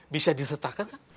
bisa disertakan kan